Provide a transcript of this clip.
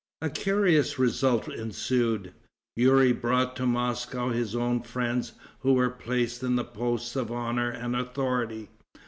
A curious result ensued. Youri brought to Moscow his own friends, who were placed in the posts of honor and authority.